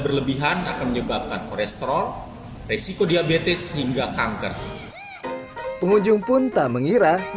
berlebihan akan menyebabkan kolesterol resiko diabetes hingga kanker pengunjung pun tak mengira